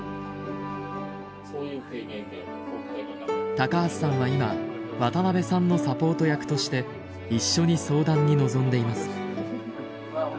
高橋さんは今渡邊さんのサポート役として一緒に相談に臨んでいます。